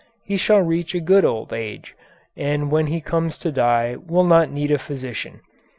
He shall reach a good old age, and when he comes to die will not need a physician.